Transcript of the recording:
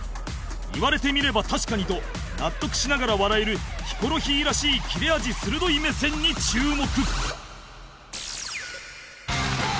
「言われてみれば確かに」と納得しながら笑えるヒコロヒーらしい切れ味鋭い目線に注目